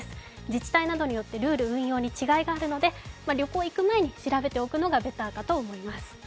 自治体などによってルール、運用が違いがありますので旅行に行く前に調べていくのがベターかと思います。